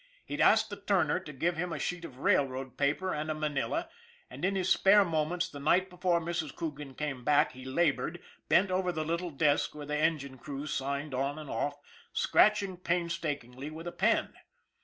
He asked the turner to give him a sheet of railroad paper and a manila, and in his spare moments the night before Mrs. Coogan came back he labored, bent over the little desk where the engine crews signed on and off, scratching painstakingly with a pen.